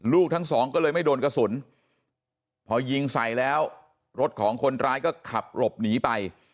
ลูกทั้งสองก็เลยไม่โดนกระสุนพอยิงใส่แล้วรถของคนร้ายก็ขับหลบหนีไป